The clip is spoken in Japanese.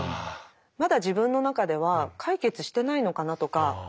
まだ自分の中では解決してないのかなとか。